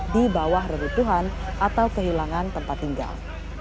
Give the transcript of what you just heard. di bawah reruntuhan atau kehilangan tempat tinggal